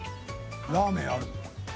ラーメンある？